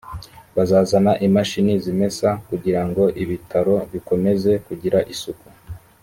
bazazana imashini zimesa kugira ngo ibitaro bikomeze kugira isuku